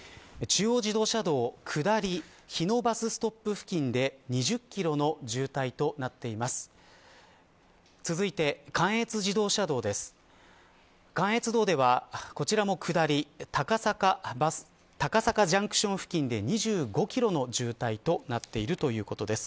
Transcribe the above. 中央自動車道下り日野バスストップ付近で２０キロの渋滞となっています。